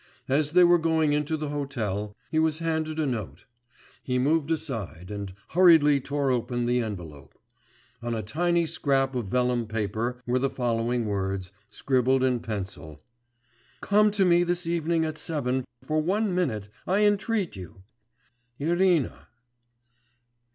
As they were going into the hotel, he was handed a note; he moved aside and hurriedly tore open the envelope. On a tiny scrap of vellum paper were the following words, scribbled in pencil: 'Come to me this evening at seven, for one minute, I entreat you. Irina.